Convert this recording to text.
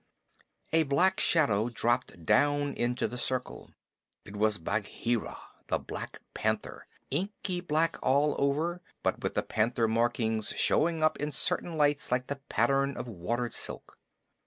A black shadow dropped down into the circle. It was Bagheera the Black Panther, inky black all over, but with the panther markings showing up in certain lights like the pattern of watered silk.